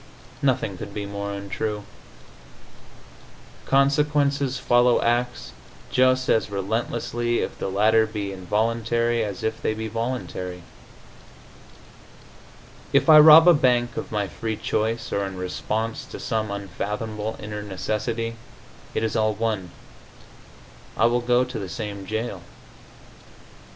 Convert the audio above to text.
Nothing could be more untrue. Consequences follow acts just as relentlessly if the latter be involuntary as if they be voluntary. If I rob a bank of my free choice or in response to some unfathomable inner necessity, it is all one; I will go to the same jail.